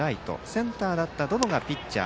センターだった百々がピッチャー。